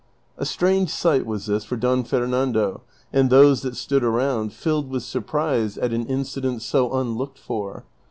A strange sight was this for Don Fernando and those that stood around, filled Avith surprise at an incident so luilooked for.